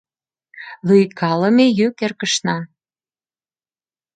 Лӱйкалыме йӱк эркышна.